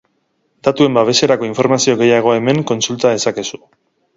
Datuen Babeserako informazio gehiago hemen kontsulta dezakegu.